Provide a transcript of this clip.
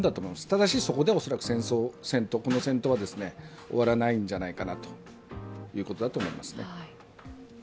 ただし、そこでも恐らくこの戦闘は終わらないんじゃないかなということだと思います。